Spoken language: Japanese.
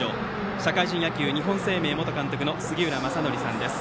社会人野球、日本生命元監督の杉浦正則さんです。